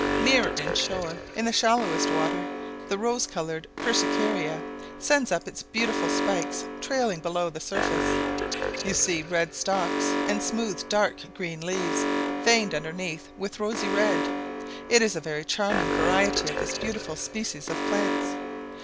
Nearer in shore, in the shallowest water, the rose coloured persecaria sends up its beautiful spikes trailing below the surface; you see the red stalks and smooth dark green leaves veined underneath with rosy red: it is a very charming variety of this beautiful species of plants.